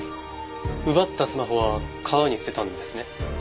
奪ったスマホは川に捨てたんですね？